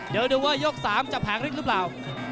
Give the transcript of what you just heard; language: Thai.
เดี๋ยวดูว่ายก๓จะแผงฤทธิหรือเปล่า